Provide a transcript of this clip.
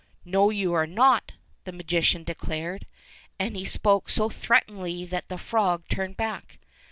"No, you are not," the magician declared, and he spoke so threateningly that the frog turned back.